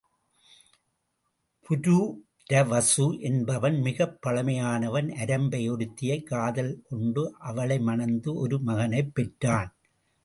புரூரவசு என்பவன் மிகப் பழமையானவன் அரம்பை ஒருத்தியைக் காதல் கொண்டு அவளை மணந்து ஒரு மகனைப் பெற்றான்.